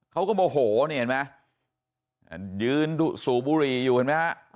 เขาก็โมโหเนี่ยเห็นมั้ยยืนสู่บุรีอยู่เห็นมั้ยฮะอ๋อ